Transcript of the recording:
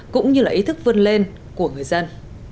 cũng như là ý thức vươn lên của người dân